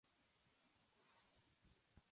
Presidente: Christian Pereira.